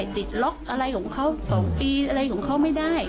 ติดล็อกอะไรของเขา๒ปีอะไรของเขาไม่ได้